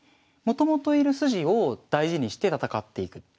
もともと居る筋を大事にして戦っていく。